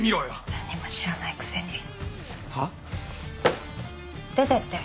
何にも知らないくせに。は？出てって。